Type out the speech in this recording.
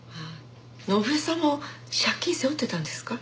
伸枝さんも借金背負ってたんですか？